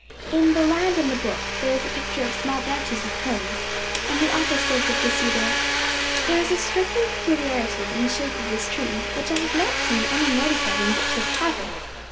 In The Land and the Book there is a picture of small branches with cones, and the author says of the cedar: 'There is a striking peculiarity in the shape of this tree which I have not seen any notice of in books of travel.